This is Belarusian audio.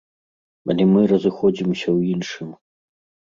Але мы разыходзімся ў іншым.